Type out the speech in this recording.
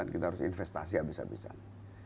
kita harus investasi habis habisan